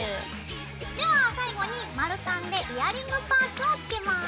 では最後に丸カンでイヤリングパーツをつけます。